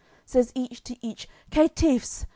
Says each to each: "Caitiffs!